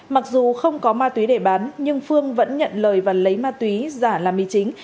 mặc dù không có ma túy để bán nhưng phương vẫn nhận lời và lấy ma túy giả làm mì chính